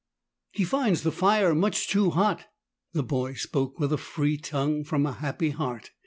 "He finds the fire much too hot." The boy spoke with a free tongue from a happy heart.